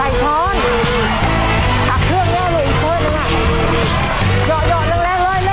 ใส่ช้อนตัดเครื่องแล้วเลยอีกเพื่อนเลยค่ะ